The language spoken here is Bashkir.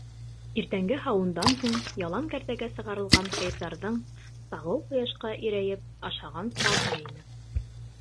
Иртәнге һауымдан һуң ялан кәртәгә сығарылған һыйырҙарҙың сағыу ҡояшҡа ирәйеп ашаған сағы ине.